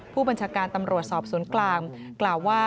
ผู้บัญชาการตำรวจสอบสวนกลางกล่าวว่า